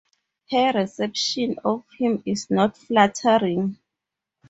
Her reception of him is not flattering.